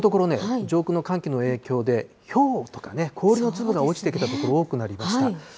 そしてこのところね、上空の寒気の影響で、ひょう、氷の粒が落ちてきた所、多くなりました。